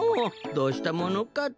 どうしたものかと。